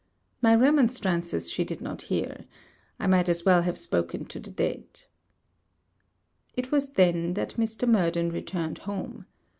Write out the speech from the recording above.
My remonstrances she could not hear. I might as well have spoken to the dead. It was then that Mr. Murden returned home.